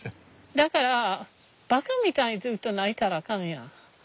だからばかみたいにずっと泣いたらあかんやん。